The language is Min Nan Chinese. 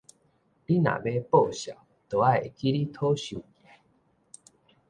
你若欲報數，就愛會記得討收據